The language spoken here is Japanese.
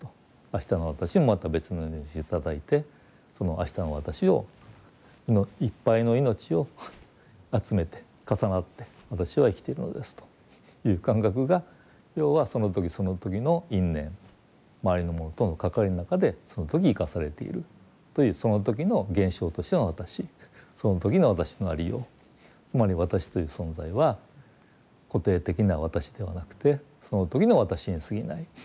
明日の私もまた別の命を頂いてその明日の私をいっぱいの命を集めて重なって私は生きているのですという感覚が要はその時その時の因縁周りのものとの関わりの中でその時生かされているというその時の現象としての私その時の私のありようつまり私という存在は固定的な私ではなくてその時の私にすぎない。